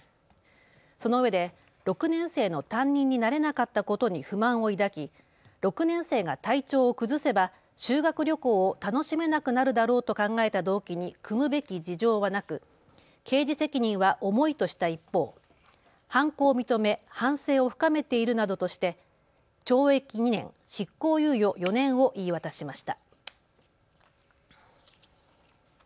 そのうえで６年生の担任になれなかったことに不満を抱き６年生が体調を崩せば修学旅行を楽しめなくなるだろうと考えた動機にくむべき事情はなく刑事責任は重いとした一方、犯行を認め反省を深めているなどとして懲役２年、執行猶予４年を言い渡しました。